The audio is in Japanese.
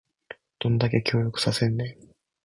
どんだけ協力させんねん